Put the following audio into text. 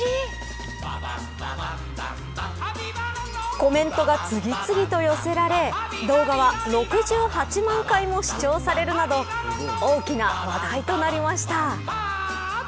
コメントが次々と寄せられ動画は６８万回も視聴されるなど大きな話題となりました。